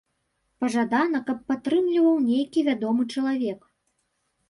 Пажадана, каб падтрымліваў нейкі вядомы чалавек.